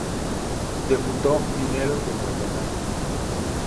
Debutó Mineros de Guayana.